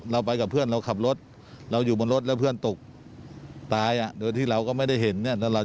เราไปกับเพื่อน